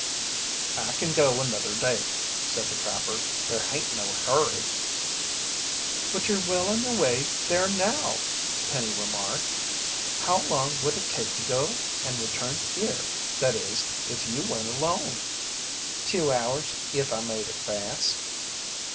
"I kin go another day," said the trapper. "There hain't no hurry." "But you're well on your way there now," Penny remarked. "How long would it take to go and return here that is, if you went alone?" "Two hours if I made it fast."